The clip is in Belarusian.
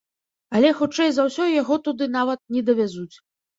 Але хутчэй за ўсё яго туды нават не давязуць.